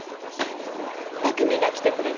匠が来てくれて。